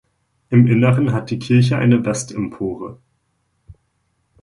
Im Inneren hat die Kirche eine Westempore.